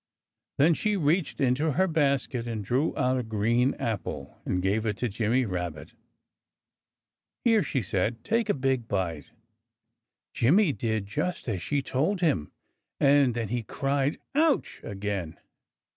Then she reached into her basket and drew out a green apple, and gave it to Jimmy Rabbit. "Here!" she said. "Take a big bite!" Jimmy did just as she told him to. And then he cried "Ouch!" again.